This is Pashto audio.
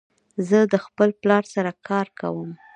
زه د خپل پلار سره کار کوم.